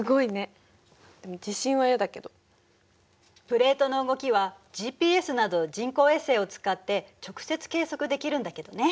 プレートの動きはＧＰＳなど人工衛星を使って直接計測できるんだけどね。